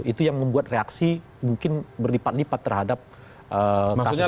itu yang membuat reaksi mungkin berlipat lipat terhadap penyelidikan